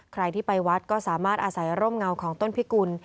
ใครที่ไปวัดก็สามารถอาศัยร่มเงาของต้นพิกุล